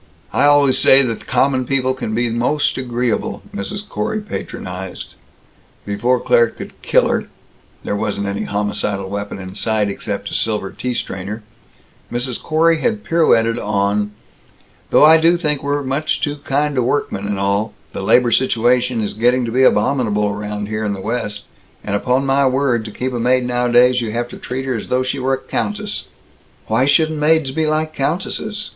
"I always say that common people can be most agreeable," Mrs. Corey patronized. Before Claire could kill her there wasn't any homicidal weapon in sight except a silver tea strainer Mrs. Corey had pirouetted on, "Though I do think that we're much too kind to workmen and all the labor situation is getting to be abominable here in the West, and upon my word, to keep a maid nowadays, you have to treat her as though she were a countess." "Why shouldn't maids be like countesses?